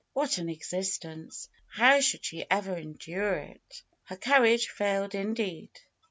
What an existence! How should she ever endure it? Her courage failed indeed.